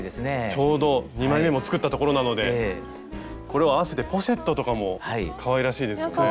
ちょうど２枚めも作ったところなのでこれを合わせてポシェットとかもかわいらしいですよね。